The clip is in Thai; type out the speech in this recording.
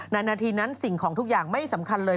นาทีนั้นสิ่งของทุกอย่างไม่สำคัญเลย